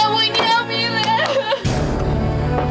ibu ini amira